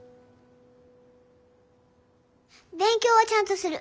勉強はちゃんとする。